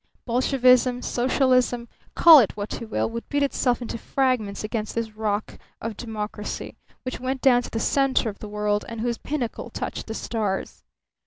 Bolshevism, socialism call it what you will would beat itself into fragments against this Rock of Democracy, which went down to the centre of the world and whose pinnacle touched the stars.